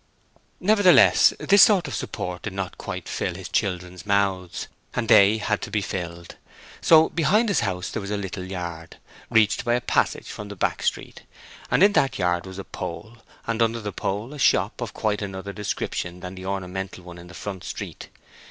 Nevertheless, this sort of support did not quite fill his children's mouths, and they had to be filled. So, behind his house there was a little yard, reached by a passage from the back street, and in that yard was a pole, and under the pole a shop of quite another description than the ornamental one in the front street.